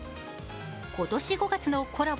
今年５月のコラボ